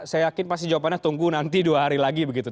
saya yakin pasti jawabannya tunggu nanti dua hari lagi begitu